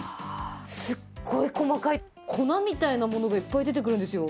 すっごい細かい粉みたいなものがいっぱい出てくるんですよ。